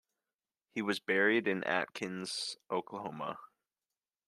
He was buried in Akins, Oklahoma.